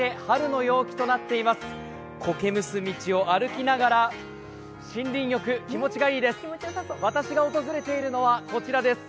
苔むす道を歩きながら森林浴、気持ちがいいです。